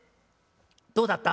どうだった？」。